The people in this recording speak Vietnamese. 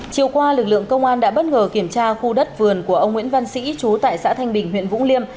chiều qua lực lượng công an đã bất ngờ kiểm tra khu đất vườn của ông nguyễn văn sĩ chú tại xã thanh bình huyện vũng liêm